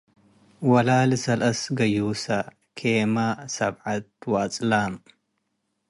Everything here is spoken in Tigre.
ወላሊ ሰልአስ ገዩሰ ኬማ። ሰብዐት ወአጽላም